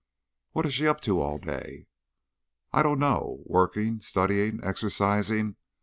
"What is she up to all day?" "I don't know. Working, studying, exercising.